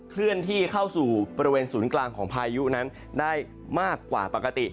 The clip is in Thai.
เคลื่อนที่เข้าสู่บริเวณศูนย์กลางของพายุนั้นได้มากกว่าปกติ